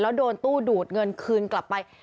แล้วโดนตู้ดูดเงินคืนกลับไป